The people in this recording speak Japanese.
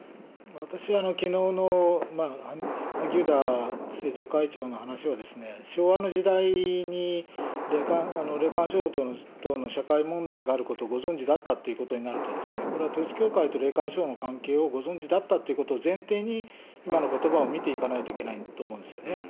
私はきのうの萩生田政調会長の話は、昭和の時代に霊感商法等の社会問題があることをご存じだったということになると、これは統一教会と霊感商法の関係をご存じだったということを前提に今のことばを見ていかないといけないと思うんですよね。